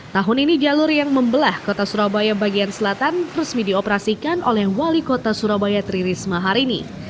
tahun ini jalur yang membelah kota surabaya bagian selatan resmi dioperasikan oleh wali kota surabaya tri risma hari ini